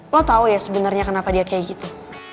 lo tau ya sebenernya kenapa dia kayak gitu